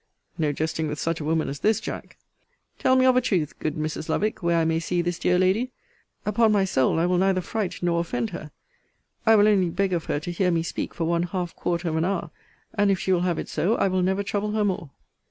No jesting with such a woman as this, Jack. Tell me of a truth, good Mrs. Lovick, where I may see this dear lady. Upon my soul, I will neither fright for offend her. I will only beg of her to hear me speak for one half quarter of an hour; and, if she will have it so, I will never trouble her more.